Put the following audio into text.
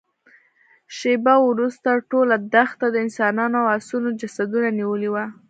شېبه وروسته ټوله دښته د انسانانو او آسونو جسدونو نيولې وه.